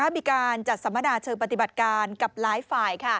มีการจัดสัมมนาเชิงปฏิบัติการกับหลายฝ่าย